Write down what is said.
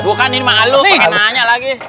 bukan ini makhluk pake naanya lagi